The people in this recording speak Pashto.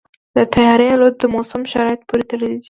د طیارې الوت د موسم شرایطو پورې تړلې ده.